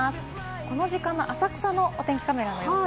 この時間の浅草のお天気カメラの様子です。